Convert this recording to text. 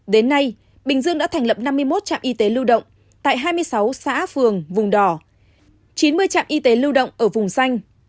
đến nay bình dương đã thành lập năm mươi một trạm y tế lưu động tại hai mươi sáu xã phường vùng đỏ chín mươi trạm y tế lưu động ở vùng xanh